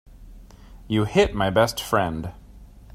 You hit my best friend.